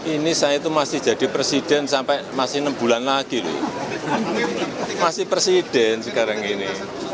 ini saya itu masih jadi presiden sampai masih enam bulan lagi loh masih presiden sekarang ini